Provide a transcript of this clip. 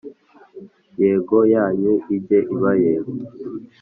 Yego yanyu ijye iba Yego